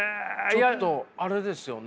ちょっとあれですよね